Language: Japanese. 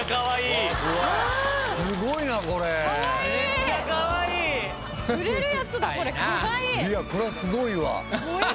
いやこれはすごいわ。